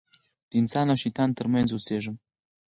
د انسان او شیطان تر منځ اوسېږم.